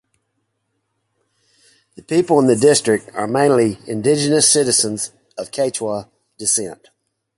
The people in the district are mainly indigenous citizens of Quechua descent.